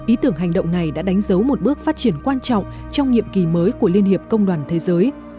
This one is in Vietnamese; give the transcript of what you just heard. ý tưởng hành động này đã đánh dấu một bước phát triển quan trọng trong nhiệm kỳ mới của liên hiệp công đoàn thế giới